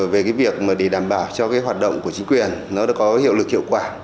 về cái việc mà để đảm bảo cho cái hoạt động của chính quyền nó đã có hiệu lực hiệu quả